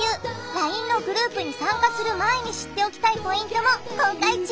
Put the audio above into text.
ＬＩＮＥのグループに参加する前に知っておきたいポイントも公開中